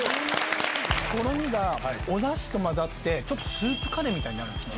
とろみがおだしと混ざって、ちょっとスープカレーみたいになるんですね。